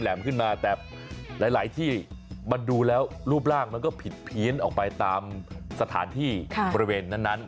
ขึ้นมาแต่หลายที่มันดูแล้วรูปร่างมันก็ผิดเพี้ยนออกไปตามสถานที่บริเวณนั้น